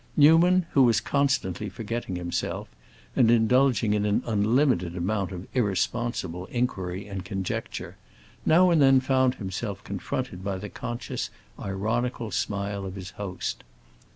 Newman, who was constantly forgetting himself, and indulging in an unlimited amount of irresponsible inquiry and conjecture, now and then found himself confronted by the conscious, ironical smile of his host.